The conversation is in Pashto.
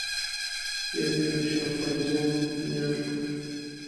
یوه یې د شامپانزیانو نیا شوه.